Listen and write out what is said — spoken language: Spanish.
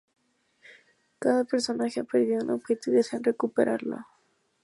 Cada personaje ha perdido un objeto y desean recuperarlo.